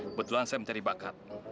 kebetulan saya mencari bakat